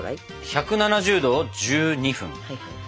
１７０℃１２分。